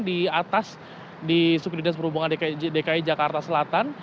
di atas di suku dinas perhubungan dki jakarta selatan